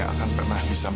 tidak ada yang mencari